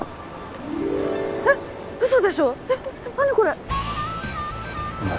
えっ嘘でしょえっ